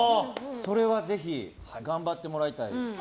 それはぜひ頑張ってもらいたい。